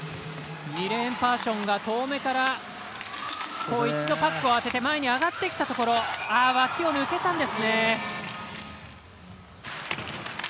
パーション、遠めから一度パックを当てて前に上げてきたところわきを抜けたんですね。